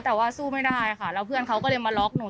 แต่ว่าสู้ไม่ได้ค่ะแล้วเพื่อนเขาก็เลยมาล็อกหนู